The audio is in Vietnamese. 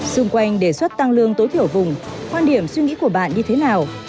xung quanh đề xuất tăng lương tối thiểu vùng quan điểm suy nghĩ của bạn như thế nào